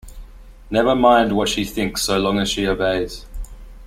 Never mind what she thinks so long as she obeys.